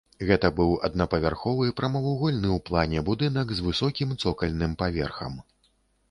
Гэта быў аднапавярховы прамавугольны ў плане будынак з высокім цокальным паверхам.